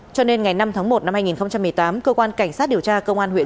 cho nên ngày năm tháng một năm hai nghìn một mươi tám cơ quan cảnh sát điều tra công an huyện